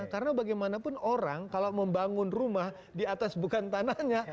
karena bagaimanapun orang kalau membangun rumah di atas bukan tanahnya